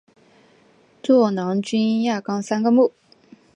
座囊菌亚纲三个目。